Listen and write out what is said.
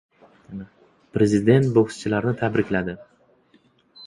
Prezident bokschilarni tabrikladi